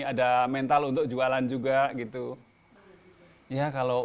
ada mental untuk mencari jualan